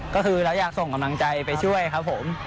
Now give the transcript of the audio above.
ก็คือเราอยากส่งกำลังใจไปช่วยครับผม